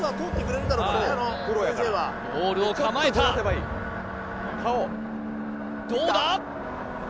ボールを構えたどうだ？